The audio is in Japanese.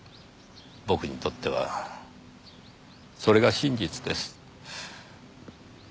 僕にとってはそれが真実です。